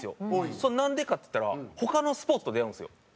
それなんでかって言ったら他のスポーツと出会うんですよ。